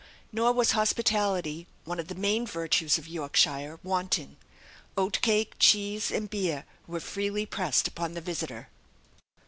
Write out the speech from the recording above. Nor was hospitality, one of the main virtues of Yorkshire, wanting. Oat cake, cheese, and beer were freely pressed upon the visitor.